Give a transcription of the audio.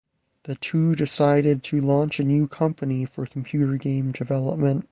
The two decided to launch a new company for computer game development.